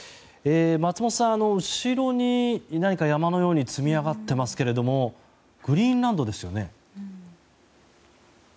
松本さん、後ろに何か山のように積み上がっていますけれどもグリーンランドですよね？